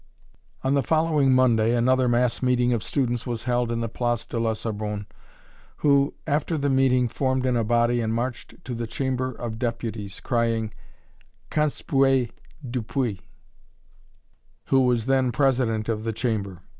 On the following Monday another mass meeting of students was held in the Place de la Sorbonne, who, after the meeting, formed in a body and marched to the Chamber of Deputies, crying: "Conspuez Dupuy," who was then president of the Chamber.